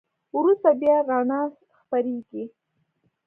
وروسته بیا رڼا خپرېږي.